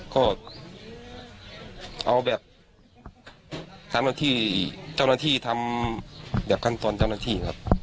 ก็เอาแบบทำหน้าที่เจ้าหน้าที่ทำแบบขั้นตอนเจ้าหน้าที่ครับ